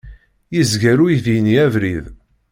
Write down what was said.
Yezger uydi-nni abrid.